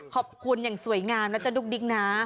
ขอบคุณอย่างสวยงามนะจ๊ดุ๊กดิ๊กนะ